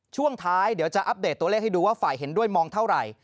ช่วงท้ายเดี๋ยวจะอัปเดตตัวเลขให้ดูว่าฝ่ายเห็นด้วยมองเท่าไหร่